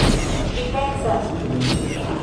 pripensas